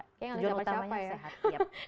tujuan utamanya sehat